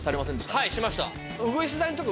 はいしました。